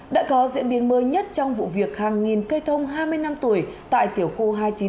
đã có diễn biến mới nhất trong vụ việc hàng nghìn cây thông hai mươi năm tuổi tại tiểu khu